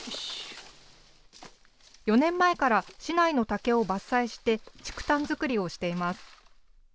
４年前から市内の竹を伐採して、竹炭作りをしています。